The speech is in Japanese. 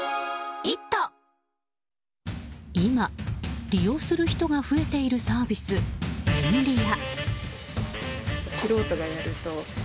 今、利用する人が増えているサービス、便利屋。